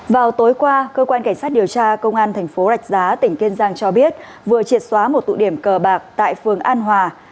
vào tối qua cơ quan cảnh sát điều tra công an thành phố rạch giá tỉnh kiên giang cho biết vừa triệt xóa một tụ điểm cờ bạc tại phường an hòa